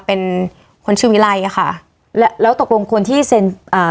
เป็นคนชื่อวิไลอ่ะค่ะแล้วแล้วตกลงคนที่เซ็นอ่า